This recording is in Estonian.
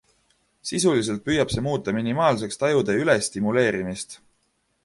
Sisuliselt püüab see muuta minimaalseks tajude ülestimuleerimist.